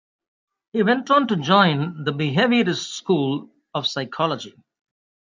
He went on to join the Behaviourist school of psychology.